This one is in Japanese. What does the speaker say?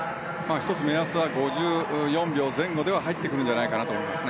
目安は５４秒前後で入ってくるんじゃないかなと思います。